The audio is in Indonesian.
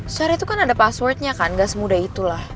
secara itu kan ada passwordnya kan nggak semudah itulah